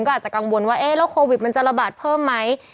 ก็อาจจะกังวลว่าโควิดมันจะระบาดเพิ่มไหม